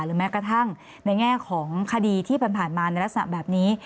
แม้กระทั่งในแง่ของคดีที่ผ่านมาในลักษณะแบบนี้